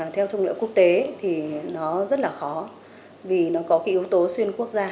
theo thông lệ quốc tế thì nó rất là khó vì nó có cái yếu tố xuyên quốc gia